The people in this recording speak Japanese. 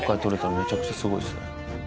めちゃくちゃすごいですね。